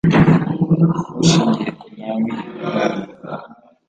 bushingiye ku mwami n ibwami